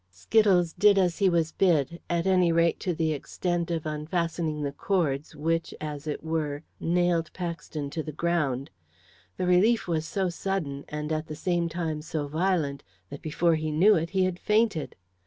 Skittles did as he was bid at any rate, to the extent of unfastening the cords, which, as it were, nailed Paxton to the ground. The relief was so sudden, and, at the same time, so violent, that before he knew it, he had fainted.